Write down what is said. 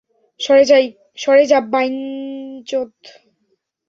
সরে যা, বাইঞ্চোদ!